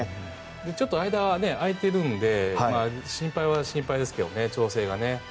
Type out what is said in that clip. ちょっと間は空いているので心配は心配ですけど調整がね。